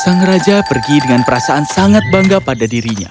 sang raja pergi dengan perasaan sangat bangga pada dirinya